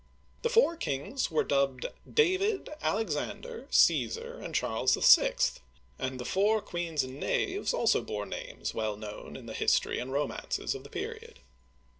The four kings were dubbed David, Alexander, Caesar, and Charles VI., and the four queens and knaves also bore names well known in the history and romances of the period.